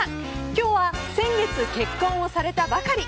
今日は先月結婚されたばかり。